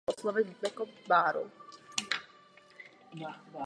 Podle svých slov ho k politice přivedl příběh jeho prarodičů.